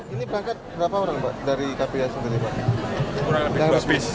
ini berangkat berapa orang pak dari kpi sendiri pak